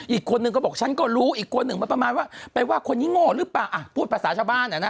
อีกคนนึงก็บอกฉันก็รู้อีกคนหนึ่งมาประมาณว่าไปว่าคนนี้โง่หรือเปล่าอ่ะพูดภาษาชาวบ้านอ่ะนะ